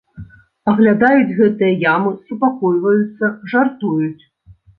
Аглядаюць гэтыя ямы, супакойваюцца, жартуюць.